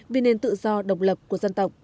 vì nền tự do độc lập của dân tộc